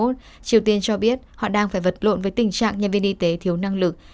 triều tiên cho biết họ đang phải vật lộn với tình trạng nhân viên y tế thiếu năng lực